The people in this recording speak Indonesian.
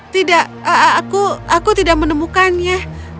tidak aku tidak menemukannya